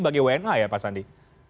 bagi wna ya pak sandi